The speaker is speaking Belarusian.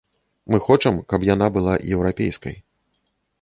Мы хочам каб яна была еўрапейскай.